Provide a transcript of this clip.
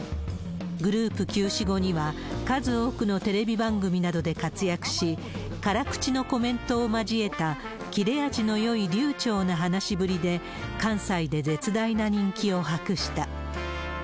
グループ休止後には、数多くのテレビ番組などで活躍し、辛口のコメントを交えた、切れ味のよい流ちょうな話しぶりで、関西で絶大な人気を博した。